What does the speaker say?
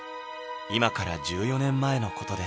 今から１４年前のことです